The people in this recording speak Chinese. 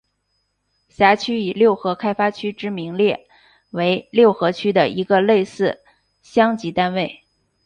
辖区以六合开发区之名列为六合区的一个类似乡级单位。